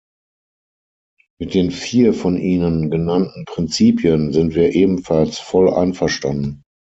Mit den vier von Ihnen genannten Prinzipien sind wir ebenfalls voll einverstanden.